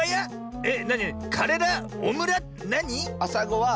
えっ⁉